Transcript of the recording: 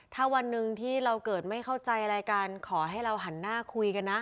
ถ้าวันหนึ่งที่เราเกิดไม่เข้าใจอะไรกันขอให้เราหันหน้าคุยกันนะ